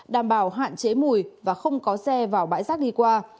đảm bảo hạn chế mùi và không có xe vào bãi rác đi qua